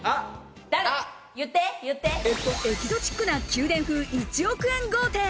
エキゾチックな宮殿風１億円豪邸。